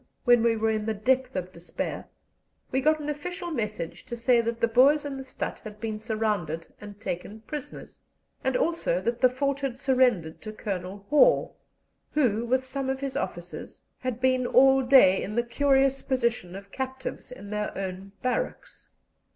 when we were in the depth of despair, we got an official message to say that the Boers in the stadt had been surrounded and taken prisoners, and also that the fort had surrendered to Colonel Hore, who, with some of his officers, had been all day in the curious position of captives in their own barracks.